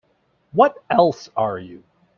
What else are you?